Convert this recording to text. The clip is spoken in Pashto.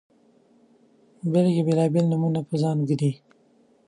بلکې بیلابیل نومونه په ځان ږدي